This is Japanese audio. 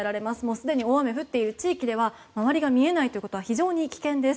すでに大雨が降っている地域では周りが見えないということは非常に危険です。